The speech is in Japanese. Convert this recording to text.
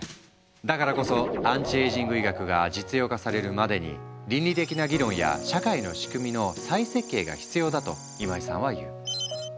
だからこそアンチエイジング医学が実用化されるまでに倫理的な議論や社会の仕組みの再設計が必要だと今井さんは言う。